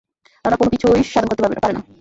তারা কোনো কিছুই সাধন করতে পারে না।